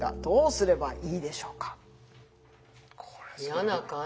嫌な感じ。